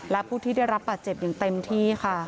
และผู้ที่ได้รับบาดเจ็บอย่างเต็มที่ค่ะ